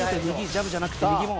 ジャブじゃなくて右も。